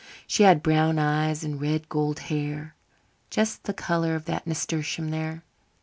She had brown eyes and red gold hair, just the colour of that nasturtium there.